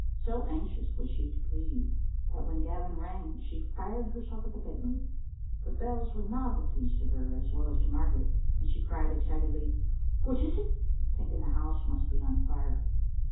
So anxious was she to please that when Gavin rang she fired herself at the bed room, but bells were novelties to her as well as to Margaret, and she cried, excitedly, " What is 't?" thinking the house must be on fire.